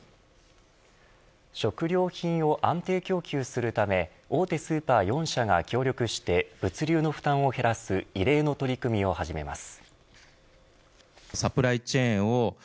食料品を安定供給するため大手スーパー４社が協力して物流の負担を減らす異例の取り組みを始めます。